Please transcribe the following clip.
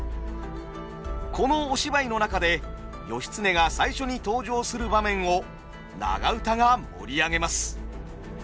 このお芝居の中で義経が最初に登場する場面を長唄が盛り上げます。